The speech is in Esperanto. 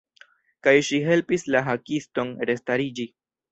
Kaj ŝi helpis la Hakiston restariĝi.